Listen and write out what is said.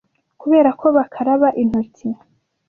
kubera ko bakaraba intoki